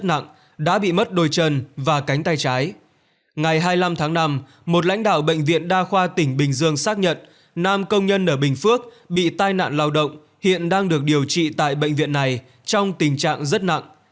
ngày hai mươi năm tháng năm một lãnh đạo bệnh viện đa khoa tỉnh bình dương xác nhận nam công nhân ở bình phước bị tai nạn lao động hiện đang được điều trị tại bệnh viện này trong tình trạng rất nặng